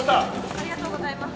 ・ありがとうございます。